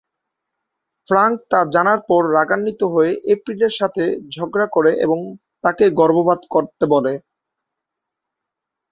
Frank তা জানার পর রাগান্বিত হয়ে এপ্রিলের সাথে ঝগড়া করে এবং তাকে গর্ভপাত করতে বলে।